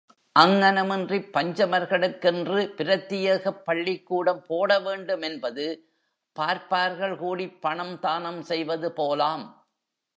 அங்ஙனமின்றிப் பஞ்சமர்களுக்கென்று பிரத்தியேகப் பள்ளிக்கூடம் போட வேண்டும் என்பது பார்ப்பார்கள் கூடிப் பணம் தானம் செய்வது போலாம்.